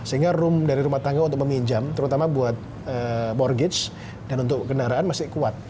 sehingga room dari rumah tangga untuk meminjam terutama buat morgage dan untuk kendaraan masih kuat